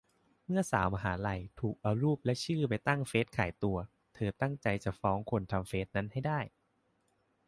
เมื่อสาวมหาลัย ถูกเอารูปและชื่อไปตั้งเฟซขายตัว เธอตั้งใจจะฟ้องคนทำเฟซนั้นให้ได้